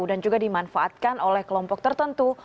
dan juga dimanfaatkan oleh kelompok tertentu